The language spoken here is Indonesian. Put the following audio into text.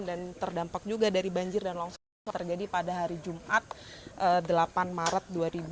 dan terdampak juga dari banjir dan longsor terjadi pada hari jumat delapan maret dua ribu dua puluh empat